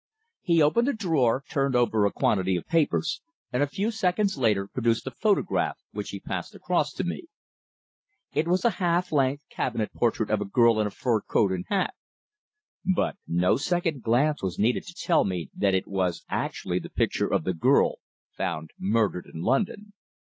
He opened a drawer, turned over a quantity of papers, and a few seconds later produced a photograph which he passed across to me. It was a half length cabinet portrait of a girl in a fur coat and hat. But no second glance was needed to tell me that it was actually the picture of the girl found murdered in London.